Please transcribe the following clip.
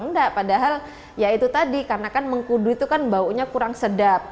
enggak padahal ya itu tadi karena kan mengkudu itu kan baunya kurang sedap